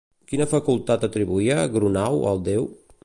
Quina facultat atribuïa Grunau al déu?